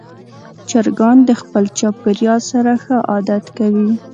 چرګان د خپل چاپېریال سره ښه عادت کوي.